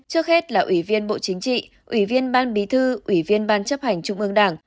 trước hết là ủy viên bộ chính trị ủy viên ban bí thư ủy viên ban chấp hành trung ương đảng